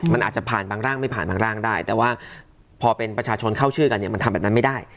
มันอาจจะผ่านบางร่างไม่ผ่านบางร่างได้แต่ว่าพอเป็นประชาชนเข้าชื่อกันเนี่ยมันทำแบบนั้นไม่ได้